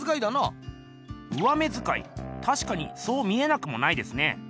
上目づかいたしかにそう見えなくもないですね。